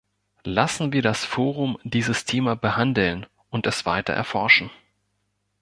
Lassen wir das Forum dieses Thema behandeln und es weiter erforschen.